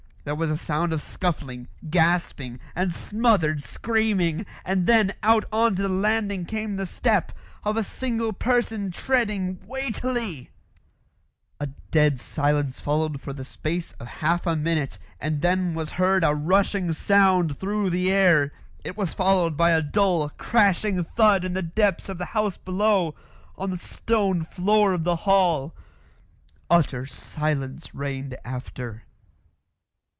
There was a sound of scuffling, gasping, and smothered screaming; and then out on to the landing came the step of a single person treading weightily. A dead silence followed for the space of half a minute, and then was heard a rushing sound through the air. It was followed by a dull, crashing thud in the depths of the house below on the stone floor of the hall. Utter silence reigned after.